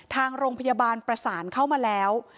ทางโรงพยาบาลประสานเข้ามาแล้ว